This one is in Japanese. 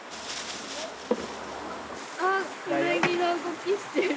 あっうなぎの動きしてる。